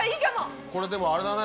これでもあれだね